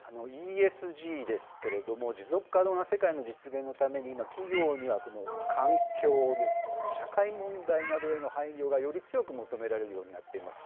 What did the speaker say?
ＥＳＧですけれども、持続可能な世界の実現のために今、企業にはこの環境ですとか、社会問題などへの配慮がより強く求められるようになっています。